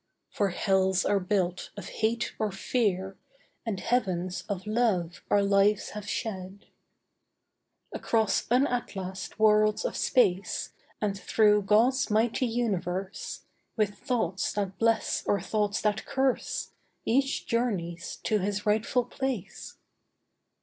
For hells are built of hate or fear, And heavens of love our lives have shed. Across unatlassed worlds of space, And through God's mighty universe, With thoughts that bless or thoughts that curse, Each journeys to his rightful place.